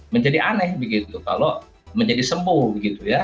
menjadi aneh begitu kalau menjadi sembuh gitu ya